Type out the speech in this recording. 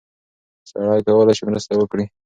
سړی کولی شي مرسته وکړي.